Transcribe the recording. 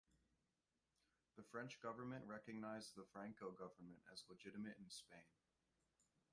The French government recognised the Franco government as legitimate in Spain.